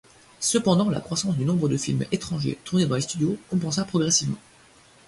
Cependant la croissance du nombre de films étrangers tournés dans les studios compensa progressivement.